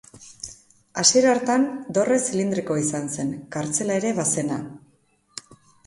Hasiera hartan dorre zilindrikoa izan zen, kartzela ere bazena.